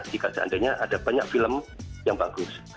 jika seandainya ada banyak film yang bagus